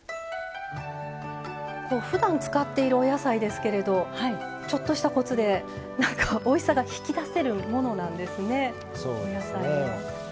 ふだん使っているお野菜ですけれどちょっとしたコツでおいしさが引き出せるものなんですね